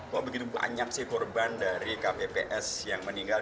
kok begitu banyak sih korban dari kpps yang meninggal